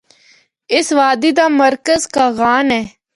اس وادی دا مرکز کاغان اے۔